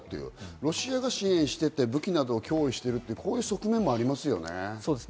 ロシアが支援して武器などを供与しているという側面もありますよね。